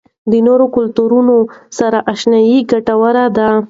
د نورو کلتورونو سره آشنايي ګټوره ده.